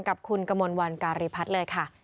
กับคุณกมลวันการีพัฒน์เลยค่ะ